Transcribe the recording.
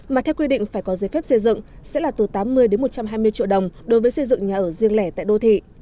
mà theo quy định phải có giấy phép xây dựng sẽ là từ tám mươi một trăm hai mươi triệu đồng đối với xây dựng nhà ở riêng lẻ tại đô thị